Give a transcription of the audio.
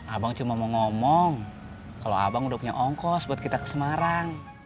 abang cuma mau ngomong kalau abang udah punya ongkos buat kita ke semarang